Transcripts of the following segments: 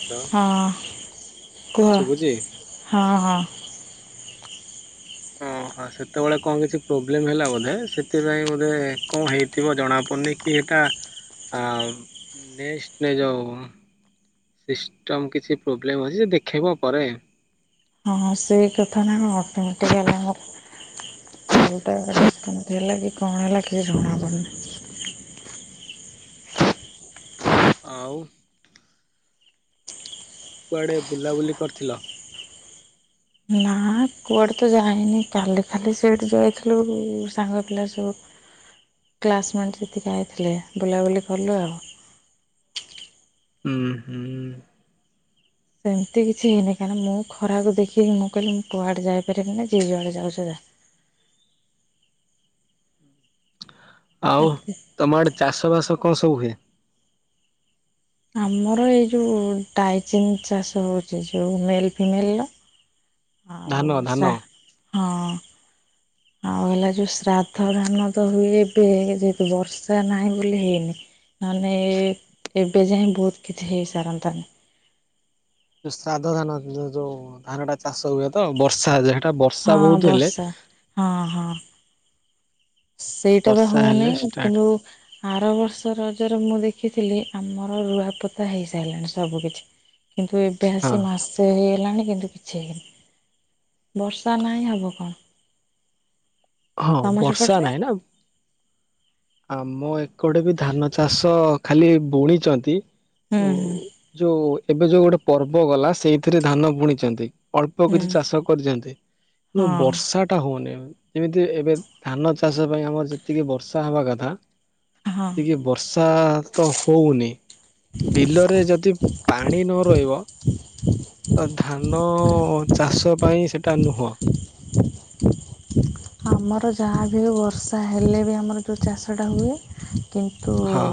Hello ହଁ କୁହ ଶୁଭୁଛି? ହଁ ହଁ। ହଁ। ହଁ ସେତେବେଳେ କଣ କିଛି ପ୍ରୋବ୍ଲେମ୍ ହେଲା ବୋଧେ ସେଥିପାଇଁ ବୋଧେ କଣ ହେଇଥିବ ଜଣାପଡ଼ନି କି ଟା ଆ ନେଷ୍ଟେ ଯେଉ ସିଷ୍ଟମ୍ କିଛି ପ୍ରୋବ୍ଲେମ୍ ଅଛି ସେ ଦେଖେଇବ ପରେ। ହଁ ସେଇ କଥା ନା ଅଟୋମେଟିକ ହେଲା ମର କଉଟା ଡିସକାଉଣ୍ଟ ହେଲା କି କଣ ହେଲା କିଛି ଜଣାପଡ଼ିନି। ଆଉ। କୁଆଡ଼େ ବୁଲାବୁଲି କରିଥିଲ। ନା କୁଆଡ଼େ ତ ଯାାଇନି କାଲି ଖାଲି ସେଇଠି ଯାଇଥିଲୁ ସାଙ୍ଗ ପିଲା ସବୁ [inaudible] କ୍ଲାସମେଣ୍ଟ ଯେତିକି ଯାଇଥିଲେ ବୁଲାବୁଲି କଲୁ ଆଉ। ହୁଁ ହୁଁ। ସେମିତି କିଛି ହେଇନି କାଁକି ମୁଁ ଖରାକୁ ଦେଖିକି ମୁଁ କହିଲି ମୁଁ କୁଆଡ଼େ ଯାଇପାରିବି ନି ଯିଏ ଯୁଆଡ଼େ ଯାଉଚ ଯାଅ। [inaudible] ଆଉ ଏତେ ତମର ଚାଷ ବାସ କଣ ସବୁ ହୁଏ। ଆମର ଏଇ ଯୋଉ ଡାଇଚନ୍ ଚାଷ ହଉଚି ଯୋଉ ମେଲ ଫିମେଲ। [inaudible] ଆଉ ଧାନ ଧାନ? ଶା ହଁ। [inaudible] ହେଲେ ଯୋଉ ଶ୍ରାଦ୍ଧ ଧାନ ତ ହୁଏ ଏବେ ଯେହେତୁ ବର୍ଷା ନାହିଁ ବୋଲି ହେଇନି। ନହେଲେ ଏବେ ଯାଏ ବହୁତ କିଛି ହେଇସାରନ୍ନ୍ତାନି। ସାଧ ଧାନ ଯୋଉ ଧାନ ଟା ଚାଷ ହୁଏ ତ ବର୍ଷା ଯା ବର୍ଷା ହଁ ବହୁତ ହେଲେ ବର୍ଷା ହଁ ହଁ ସେଇଟା ବା ବର୍ଷା ହେଲେ ହଉନେହିଁ ଷ୍ଟାର୍ଟ କିନ୍ତୁ ଆର ବର୍ଷ ରଜରେ ମୁଁ ଦେଖିଥିଲି ଆମର ରୁଆପୋତା ହେଇସାଲାଣି ସବୁ କିିଛି। କିନ୍ତୁ ଏବେ ହଁ ଆସି ମାସେ ହେଇ ହେଲାଣି କିନ୍ତୁ କିଛି ହେଇନି ବର୍ଷା ନାହିଁ ହବ କଣ। ହଁ ତମ ବର୍ଷା ସେପଟରେ? ନାହିଁ ନା। ଆମ ଏକଡ଼େ ବି ଧାନ ଚାଷ ଖାଲି ବୁଣିଚନ୍ତି। ହୁଁ ଉ ହୁଁ ଯୋଉ ଏବେ ଯୋଉ ଗୋଟେ ପର୍ବ ଗଲା ସେଇଥିରେ ଧାନ ବୁଣିଚନ୍ତି। ଅଳ୍ପ ହୁଁ କିଛି ଚାଷ କରିଚନ୍ତି କିନ୍ତୁ ହଁ ବର୍ଷା ଟା ହଉନି। ଯେମିତି ଏବେ ଧାନ ଚାଷ ପାଇଁ ଆମର ଯେତିକି ବର୍ଷା ହବା କଥା ହଁ। ସେତିକି ବର୍ଷା ତ ହଉନି। ବିଲରେ ଯଦି ପାଣି ନ ରହିବ ତ ଧାନ ଚାଷ ପାଇଁ ସେଟା ନୁହଁ। ଆମର ଯାହା ବି ହୋଉ ବର୍ଷା ହେଲେ ବି ଆମର ଯୋଉ ଚାଷଟା ହୁଏ। କିନ୍ତୁ ହଁ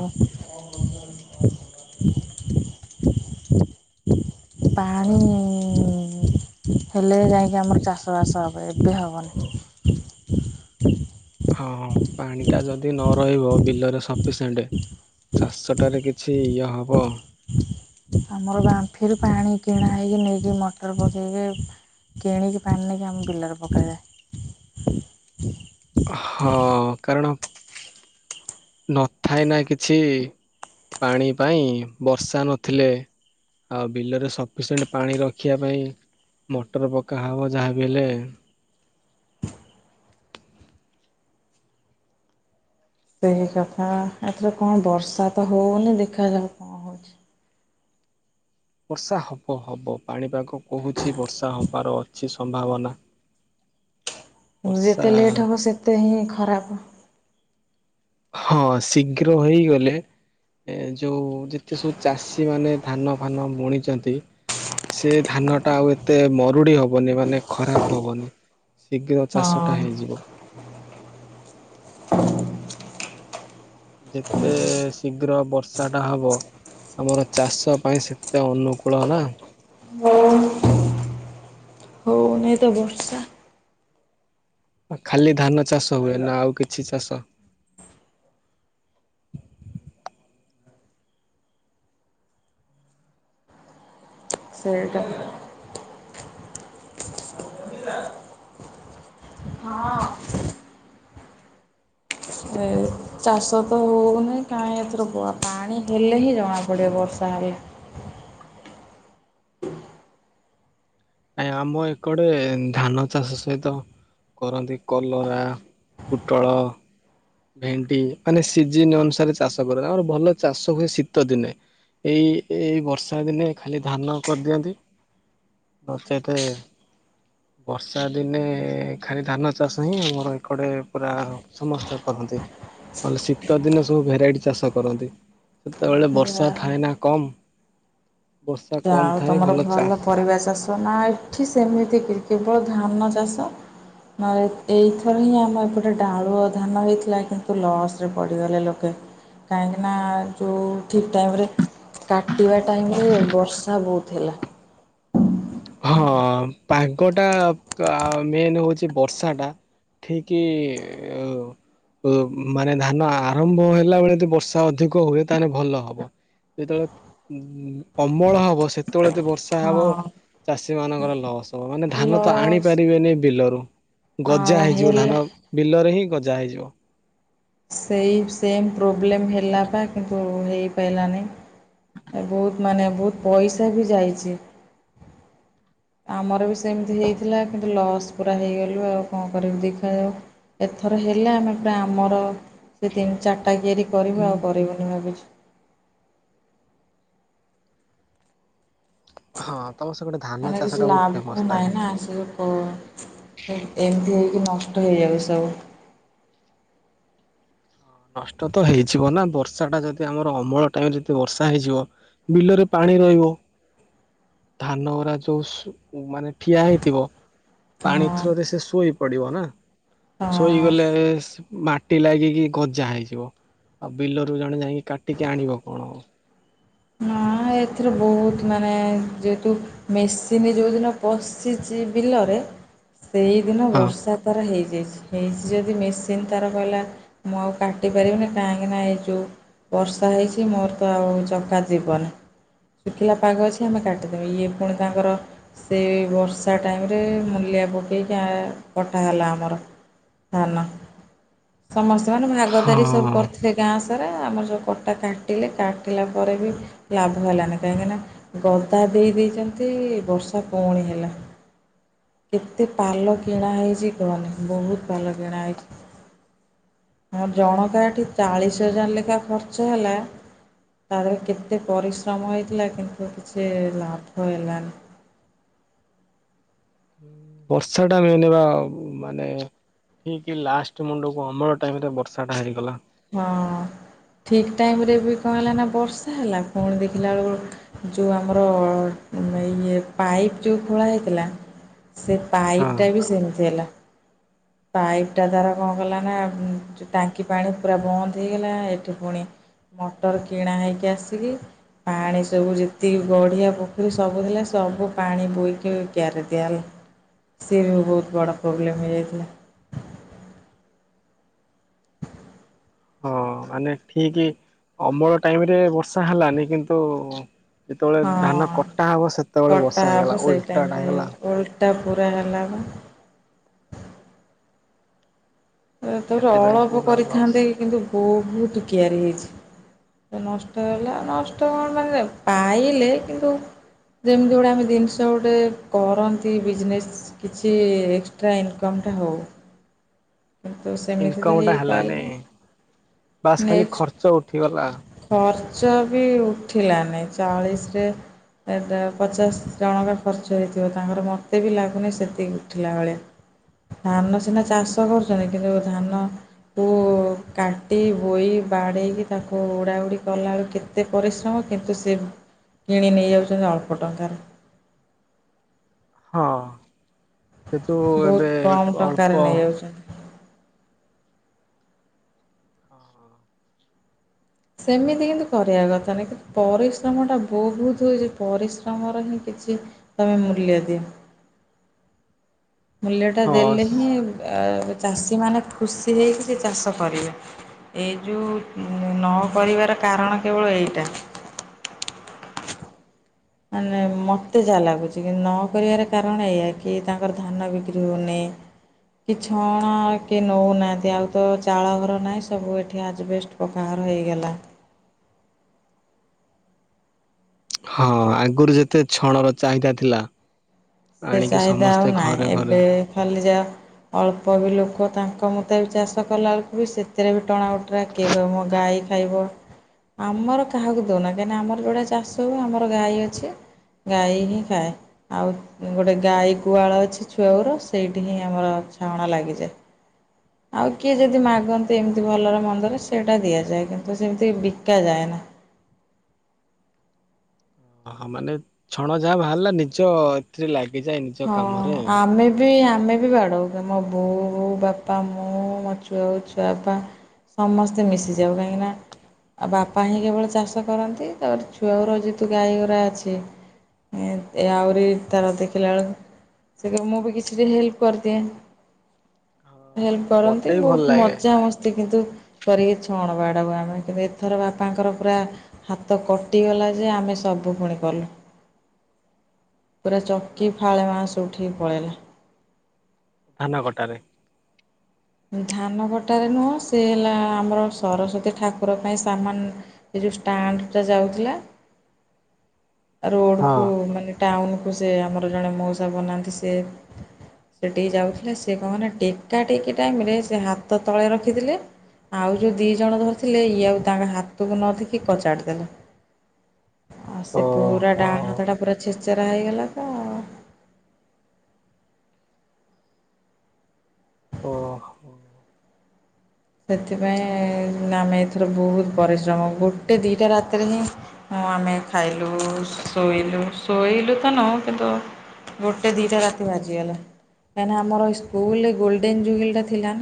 ପାଣି ଇ ହେଲେ ଯାଇକି ଆମର ଚାଷବାସ ହେବ ଏବେ ହେବନି। ହଁ ପାଣି ଟା ଯଦି ନ ରହିବ ବିଲରେ ସପିସେଣ୍ଟ। ଚାଷଟାରେ କିଛି ଇଏ ହବ ଆମର ବାମ୍ଫିରୁ ପାଣି କିଣା ହେଇକି ନେଇକି ମଟର ପକେଇକି କିଣିକି ପାଣି ନେଇକି ଆମ ବିଲରେ ପକାଯାଏ। [inaudible] ହଁ କାରଣ ନଥାଏ ନା କିଛି ପାଣି ପାଇଁ ବର୍ଷା ନଥିଲେ। ଆଉ ବିଲରେ ସପିଶେଣ୍ଟ ପାଣି ରଖିବା ପାଇଁ ମଟର ପକା ହେବ ଯାହାବି ହେଲେ। ସେଇ କଥା ଏଥର କଣ ବର୍ଷା ତ ହଉନି ଦେଖାଯାଉ କଣ ହଉଚି। ବର୍ଷା ହବ ହବ ପାଣିପାଗ କହୁଛି ବର୍ଷା ହବାର ଅଛି ସମ୍ଭାବନା। ବର୍ଷା ଯେତେ ଲେଟ୍ ହବ ସେତେ ହିଁ ଖରାପ୍। ହଁ ଶୀଘ୍ର ହେଇଗଲେ ଏ ଯେଉଁ ଯେତେ ସବୁ ଚାଷୀମାନେ ଧାନ ଫାନ ବୁଣିଛନ୍ତି ସେ ଧାନ ଟା ଆଉ ଏତେ ମରୁଡି ହବନି ମାନେ ଖରାପ ହବନି। ଶୀଘ୍ର ଚାଷଟା ହଁ। ହେଇଯିବ। ଯେତେ ଶୀଘ୍ର ବର୍ଷାଟା ହବ ଆମର ଚାଷ ପାଇଁ ସେତେ ଅନୁକୂଳ ନା ଏନେ ତ ବର୍ଷା ଖାଲି ଧାନ ଚାଷ ହୁଏ ନା ଆଉ କିଛି ଚାଷ? ସେଇଟା ହଁ। ଏ ଚାଷ ତ ହଉନେଇ କାହିଁ ଏଥର ପାଣି ହେଲେ ହିଁ ଜଣା ପଡିବ ବର୍ଷା ହେଲେ ହ ଆ ଆମ ଏ କଡେ ଧାନ ଚାଷ ସହିତ କରନ୍ତି କଲରା ପୋଟଳ ଭେଣ୍ଡି ମାନେ ସିଜିନ ଅନୁସାରେ ଚାଷ କର ଆମର ଭଲ ଚାଷ ହୁଏ ଶୀତ ଦିନେ ଏଇ ଏଇ ବର୍ଷା ଦିନେ ଖାଲି ଧାନ କରିଦିଅନ୍ତି। ନଚତେ ବର୍ଷା ଦିନେ ଖାଲି ଧାନ ଚାଷ ହିଁ ଆମର ଏକଡେ ପୁରା ସମସ୍ତେ କରନ୍ତି। ନହେଲେ ଶୀତ ଦିନେ ସବୁ ଭେରାଇଟି ଚାଷ କରନ୍ତି ସେତେବେଳେ ବର୍ଷା ଯାହା ଥାଏ ନା କମ ବର୍ଷା ଆଉ ଥାଏ ତମର ଚାଷ ଭଲ ପରିବା ଚାଷ ନା ଏଠି ସେମିତି କି କେବଳ ଧାନ ଚାଷ ନେଲେ ଏଇଥର ହିଁ ଆମ ଏପଟେ ଡାଳୁ ଧାନ ହେଇଥିଲା କିନ୍ତୁ ଲସରେ ପଡ଼ିଗଲେ ଲୋକେ। କାହିଁକି ନା ଯୋଉ ଠିକ ଟାଇମ ରେ କାଟିବା ଟାଇମ ରେ ବର୍ଷ ବର୍ଷା ବହୁତ ହେଲା। ହଁ ପାଗଟା ମେନ୍ ହଉଛି ବର୍ଷା ଟା ଠିକ୍ ମାନେ ଧାନ ଆରମ୍ଭ ହେଲା ବେଳେ ଯଦି ବର୍ଷା ଅଧିକ ହୁଏ ତାହେଲେ ଭଲ ହବ। ଯେତେବେଳେ ଉ ଅମଳ ହବ ସେତେବେଳେ ବର୍ଷା ହେବ ହଁ ଚାଷୀମାନଙ୍କର ଲସ୍। ତ ମାନେ ଧାନ ତ ଆଣି ଲସ୍ ପାରିବେନି ବିଲରୁ ଗଜା ଆ ହେଇଯିବ ହେଲା ଧାନ ବିଲରେ ହିଁ ଗଜା ଯା ହେଇଯିବ। ସେଇ ସେମ୍ ପ୍ରୋବ୍ଲେମ୍ ହେଲା ବା କିନ୍ତୁ ହେଇପାରିଲାନି। ବହୁତ ମାନେ ବହୁତ ପଇସା ବି ଯାଇଛି। ହ ଆମର ବି ସେମିତି ହେଇଥିଲା କିନ୍ତୁ ଲସ୍ ପୁରା ହେଇଗଲୁ। ଆଉ କଣ କରିବି ଦେଖାଯାଉ। ଏଥର ହେଲେ ଆମେ ପା ଆମର ସେ ତିନି ଚାରିଟା କିଆରି କରିବ ଆଉ କରେଇବନି ଭାବୁଛି। ହଁ। ତମ ସେ ଗୋଟେ ଧାନ ମାନେ ଚାଷ ଟା କିଛି ବହୁତ ଲାଭ ଫେମସ ନାହିଁ ଥାଏ ନହିଁ ନା ସେ କ ଅ ଏମିତି ହେଇକି ନଷ୍ ନଷ୍ଟ ହେଇଯାଉ ସବୁ ନଷ୍ଟ ତ ହେଇଯିବ ନା ବର୍ଷା ଟା ଯଦି ଆମର ଅମଳ ଟାଇମରେ ଯଦି ବର୍ଷା ହେଇଯିବ ବିଲରେ ପାଣି ପାଣି ଗୁରା ରହିବ ଧାନ ଗରା ଯୋଉ ସୁ ମାନେ ଠିଆ ହେଇଥିବ ପାଣି ହଁ ଥ୍ରୋରେ ସେ ଶୋଇ ପଡିବ ନା। ହଁ। ଶୋଇଗଲେ ମାଟି ଲାଗିକି ଗଜା ହେଇଯିବ ଆଉ ବିଲରୁ ଜଣେ ଯାଇକି କାଟିକି ଆଣିବ କଣ? ହଁ ଏଥିରୁ ବହୁତ ମାନେ ଯେହେତୁ ମେସିନି ଯୋଉଦିନ ପଶିଛି ବିଲରେ ସେଇଦିନ ହଁ ବର୍ଷା ତାର ହେଇଚି। ହେଇଚି ଯଦି ମେସିନ୍ ତାର କହିଲା ମୁଁ ଆଉ କାଟି ପାରିବିନି କାହିଁକି ନା ଏ ଯୋଉ ବର୍ଷା ହେଇଛି ମୋର ତ ଆଉ ଚକା ଯିବନି। ଶୁଖିଲା ପାଗ ଅଛି ଆମେ କାଟିଦବା। ଇଏ ପୁଣି ତାଙ୍କର ସେ ବର୍ଷା ଟାଇମ୍ ରେ ମୂଲିଆବ ହେଇକା କଟା ହେଲା ଆମର ଧାନ। ସମସ୍ତେ ମାନେ ଭାଗଦାରୀ ସବୁ ହଁ। କରିୁଥିଲେ ଗାଁ ସାରା ପା ଆମର ଯୋଉ ପଟା କାଟିଲେ କାଟିଲା ପରେ ବି ଲାଭ ହେଲାନି କାହିଁକିନା ଗଦା ଦେଇ ଦେଇଚନ୍ତି ବର୍ଷା ପୁଣି ହେଲା। କେତେ ପାଲ କିଣା ହେଇଛି କୁହନି ବହୁତୁ ପାଲ କିଣା ହେଇଛି। ଆ ଜଣକା ଏଠି ଚାଳିଶ ହଜାର ଲେଖା ଖର୍ଚ୍ଚ ହେଲା ତାଧେରେ କେତ୍? ଏତେ ପରିଶ୍ରମ ହେଇଥିଲା କିନ୍ତୁ କିଛି ଲାଭ ହେଲାନି। ବର୍ଷା ଟା ମେନେବା ମାନେ ଠିକ୍ ଲାଷ୍ଟ ମୁଣ୍ଡକୁ ଅମଳ ଟାଇମ୍ ରେ ବର୍ଷା ଟା ହେଇଗଲା। ହଁ। ଠିକ୍ ଟାଇମରେ ବି କଣ ହେଲା ନା ବର୍ଷା ହେଲା। ପୁଣି ଦେଖିଲା ବେଳକୁ ଯୋଉ ଆମର ମ ଇଏ ପାଇପ୍ ଯୋଉ ଖୋଳା ହେଇଥିଲା ସେ ହଁ। ପାଇପ୍ ଟା ବି ସେମିତି ହେଲା। ପାଇପ୍ ଟା ଦ୍ଵାରା କଣ କଲା ନା ଟାଙ୍କି ପାଣି ପୁରା ବନ୍ଦ ହେଇଗଲା ଏଠି ପୁଣି ମଟର କିଣା ହେଇକି ଆସିକି ପାଣି ସବୁ ଯେତିକି ଗଢିଆ ପୋଖରୀ ସବୁ ଥିଲା ସବୁ ପାଣି ବୋଇୋଇକି କିିଆରିରେ ଦିଆହେଲା ସିରେ ବି ବହୁତ ବଡ ପ୍ରୋବ୍ଲେମ ହେଇଯାଇଥିଲା। ହଁ ମାନେ ଠିକ ଅମଳ ଟାଇମ ରେ ବର୍ଷା ହେଲାନି କିନ୍ତୁ ଯେତେବେଳେ ଧାନ ହଁ। କଟା ହବ ସେତେବେଳେ କଟା ବର୍ଷା ହବ ହେଇଗଲା ସେଇ ଓଲଟାଟା ଟାଇମରେ ହେଇଗଲା। ଓଲଟା ପୁରା ହେଲାପା। ତାପରେ ସେଥିପାଇଁ ଅଳପ ପୁରା ଲସ୍। କରିଥାନ୍ତେ କିନ୍ତୁ ବହୁତ କିଆରି ହେଇଛି। ନଷ୍ଟ ହେଲା ନଷ୍ଟ କଣ ମାନେ ପାଇଲେ କିନ୍ତୁ ଯେମିତି ଗୁଟାଏ ଆମେ ଜିନିଷ ଗୋଟେ କରନ୍ତି ବିଜନେସ୍ କିଛି ଏକ୍ସଟ୍ରା ଇନକମ୍ ଟା ହଉ ଇନକମ ଟା ହେଲାନାଇ ବାସ୍ ଖାଲି ଖର୍ଚ୍ଚ ଉଠିିଗଲା। ଚ ବି ଉଠିଲାନି ଚାଳିଶରେ ଟ ପଚାଶ ଜଣକା ଖର୍ଚ୍ଚ ହେଇଥିବ। ତାଙ୍କର ମୋତେ ବି ଲାଗୁନି ସେତିକି ଉଠିଲା ଭଳିଆ। ଧାନ ସିନା ଚାଷ ଚାଷ କରୁଛନ୍ତି କିନ୍ତୁ ଧାନକୁ କାଟି ବୋଇ ବାଡ଼େଇକି ତାକୁ ଉଡ଼ା ଆ ଉଡ଼ି କଲାଏଲୁ କେତେ ପରିଶ୍ରମ କିନ୍ତୁ ସେ କିଣି ନେଇ ଯାଉଛନ୍ତି ଅଳ୍ପ ଟଙ୍କାରେ ହଁ ସେଠୁ ବହୁତ ଏବେ କମ୍ ଟଙ୍କାରେ ଅଳ୍ପ ନେଇଯାଉଛନ୍ତି ହଁ ହ ସେମିତି କିନ୍ତୁ କରିବା କଥା ନାହିଁ କିନ୍ତୁ ପରିଶ୍ରମ ଟା ବହୁତ ହଉଛି ପରିଶ୍ରମ ର ହିଁ କିଛି ତମେ ମୂଲ୍ୟ ଦିଅ। ମୂଲ୍ୟ ଟା ହଁ ଦେଲେ ହିଁ ଏ ଚାଷୀମାନେ ଖୁସି ହେଇକି ସେ ଚାଷ କରିବେ ଏଇ ଯେଉଁ ନ କରିବାର କାରଣ କେବଳ ଏଇଟା ହ ମାନେ ମତେ ଯାହା ଲାଗୁଛି କି ନ କରିବାର କାରଣ ଏଇଆ କି ତାଙ୍କର ଧାନ ବିକ୍ରି ହଉନି। ନି କି ଛଣ କି ନଉନାହାନ୍ତି ଆଉ ତ ଚାଳ ଘର ନାହିଁ ସବୁ ଏଠି ଆଜ୍ବେଷ୍ଟ ପକାଘର ହେଇଗଲା ହଁ ଆଗରୁ ଯେତେ ଛଣ ର ଚାହିଦା ଥିଲା ସେ ଆଣିକି ଚାହିଦା ସମସ୍ତେ ଆଉ ଘରେ ନାହିଁ ଘରେ ଏବେ ଖାଲି ଯାହା ଅଳ୍ପ ବି ଲୋକ ତାଙ୍କ ମତେ ବି ଚାଷ କଲାବେେଳକୁ ବି ସେଥିରେ ବି ଟଣା ଉଟରା, କିଏ ମୋ ଗାଈ ଖାଇବ ଆମର କାହାକୁ ଦଉନା କାହିଁକି, ଆମର ଯୋଉଟା ଚାଷ ହଉ ଆମର ଗାଈ ଅଛି ଗାଈ ହିଁ ଖାଏ ଆଉ ଗୋଟେ ଗାଈ ଗୁଆଳ ଅଛି ଛୁଆବେଳଠୁ, ସେଇଠି ହିଁ ଆମର ଛଣ ଲାଗିଯାଏ। ଆଉ କିଏ ଯଦି ମାଗନ୍ତି, ଏମିତି ଭଲରେ ମନ୍ଦରେ ସେଇଟା ଦିଆଯାଏ, କିନ୍ତୁ ସେମିତି ବିକା ଯାଏ ନା [inaudible] ଓହ ମାନେ ଛଣ ଯାହା ବାହାରିଲା, ନିଜ ଏଥିରେ ଲାଗ ହଁ ଆମେ ବି ଆମେ ବି ବାଡଉ, ମୋ ବୋଉ ବାପା ମୁଁ ମୋ ଛୁଆ ହେଉ ଛୁଆପା ସମସ୍ତେ ମିଶିଯାଉ, କାହିଁକିନା? ଆଉ ବାପା ହିଁ କେବଳ ଚାଷ କରନ୍ତି, ତାପରେ ଛୁଆ ଘର ଯେହେତୁ ଗାଈଗୋରା ଅଛି ଆରିି ତରଦ କେ ଲଳ [unintelligible] ସେ ମୁଁ ବି କିଛି ଟା ହେଲ୍ପ କରିଦିଏ। ହଁ ହେଲ୍ପ କରନ୍ତି, ମତେ ବି ଭଲ ବହୁତ ଲାଗେ। ମଜାମସ୍ତି କିନ୍ତୁ କରିକି ଛଣ ବାଡାଉ ଆମେ କିନ୍ତୁ ଏଥର ବାପାଙ୍କର ପୁରା ହାତ କଟିଗଲା ଯେ ଆମେ ସବୁ ପୁଣି କଲ [unintelligible] [inaudible] ପୁରା ଚକି ଫାଳେ ମାସ ଉଠିକି ପଳେଇଲା। ଧାନ କୋଟାରେ ଧାନ କଟାରେ ନୁହଁ, ସେ ହେଲା ଆମର ସରସ୍ଵତୀ ଠାକୁର ପାଇଁ ସାମାନ ଯେଉଁ ଷ୍ଟାଣ୍ଡଟା ଯାଉଥିଲା [inaudible] ରୋଡ଼କୁ ମାନେ ଟାଉନକୁ ସେ ଆମର ଜଣେ ମଉସା ବନାନ୍ତି ସେ ସେଠିକି ଯାଉଥିଲେ, ସେ କହନା ଟେକା ଟେକି ଟାଇମରେ ସେ ହାତ ତଳେ ରଖିଥିଲେ। ଆଉ ଯଉ ଦି ଜଣ ଧରିଥିଲେ ଇଏ ଆଉ ତାଙ୍କ ହାତକୁ ନ ଦେଖି କଚାଡ଼ି ଦେଲେ। [inaudible] ଆଉ ସେ ପୁରା ଓହୋ ଡାହାଣ ହାତ ଟା ପୁରା ଛେଚେରା ହେଇଗଲା ତ ଓ ହୋ ସେଥିପାଇଁ ଆମେ ଏଥର ବହୁତ ପରିଶ୍ରମ ଗୋଟେ ଦିଟା ରାତିରେ ହିଁ ଆମେ ଖାଇଲୁ, ଶୋଇଲୁ, ଶୋଇଲୁ ତ ନୁହଁ କିନ୍ତୁ ଗୋଟେ ଦିଟା ରାତି ବାଜିଗଲା, କାହିଁକିନା ଆମ ସ୍କୁଲ ଗୋଲଡେନ ଜୁବୁଲି ଟା ଥିଲା ନା।